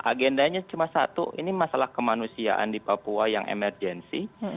agendanya cuma satu ini masalah kemanusiaan di papua yang emergensi